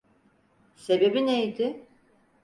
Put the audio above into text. Sebebi neydi?